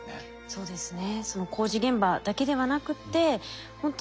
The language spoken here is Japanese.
そうですね。